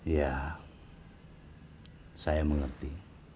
ya saya mengerti